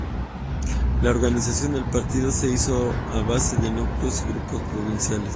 La organización del partido se hizo a base de núcleos y grupos provinciales.